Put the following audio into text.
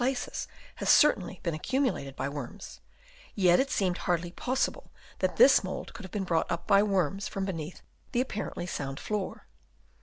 places has certainly been accumulated by worms, yet it seemed hardly possible that this mould could have been brought up by worms from beneath the apparently sound floor.